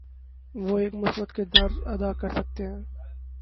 وہ ایک مثبت کردار ادا کرسکتے ہیں۔